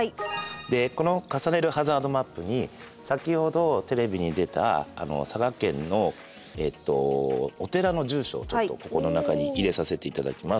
でこの「重ねるハザードマップ」に先ほどテレビに出た佐賀県のえっとお寺の住所をちょっとここの中に入れさせていただきます。